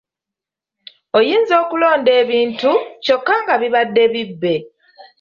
Oyinza okulonda ebintu, kyokka nga bibadde bibbe.